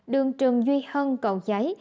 đường trường duy hân cầu giấy